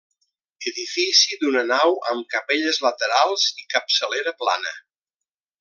Edifici d'una nau amb capelles laterals i capçalera plana.